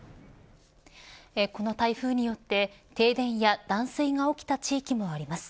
この台風によって停電や断水が起きた地域もあります。